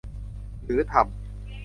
หรือทำ